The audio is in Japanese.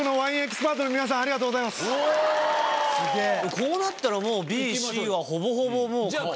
こうなったらもうＢＣはほぼほぼもう確定的。